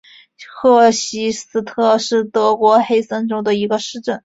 赫希斯特是德国黑森州的一个市镇。